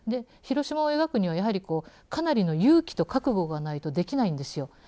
広島を描くにはやはりかなりの勇気と覚悟がないとできないんですよ。